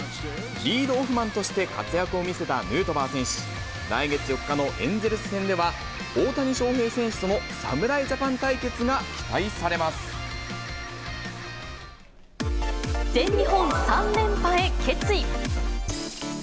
リードオフマンとして活躍を見せたヌートバー選手、来月４日のエンゼルス戦では、大谷翔平選手との侍ジャパン対決全日本３連覇へ決意。